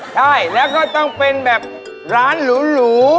ใช่แล้วก็ต้องเป็นแบบร้านหรู